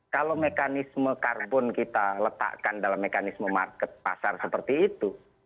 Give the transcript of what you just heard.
kalau mekanisme karbon kita letakkan dalam mekanisme market pasar seperti itu